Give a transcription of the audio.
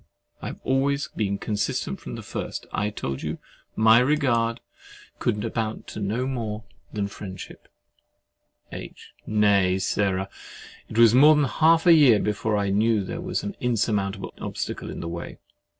I have always been consistent from the first. I told you my regard could amount to no more than friendship. H. Nay, Sarah, it was more than half a year before I knew that there was an insurmountable obstacle in the way.